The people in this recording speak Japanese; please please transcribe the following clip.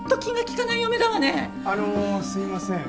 あのすいません。